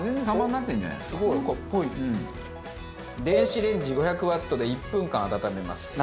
電子レンジ５００ワットで１分間温めます。